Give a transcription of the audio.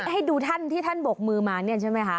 ให้ดูท่านที่ท่านบอกมือมาใช่มั้ยคะ